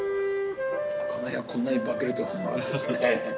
赤貝がこんなに化けるとは思わなかったですね。